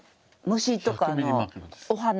虫とかあのお花。